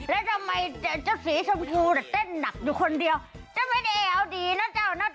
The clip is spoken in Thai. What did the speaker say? แล้วทำไมเจ้าสีชมพูน่ะเต้นหนักอยู่คนเดียวจะไม่ได้เอาดีนะเจ้านะ